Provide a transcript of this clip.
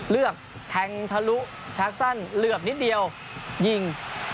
เลือกแทงทะลุชากสั้นเหลือบนิดเดียวยิง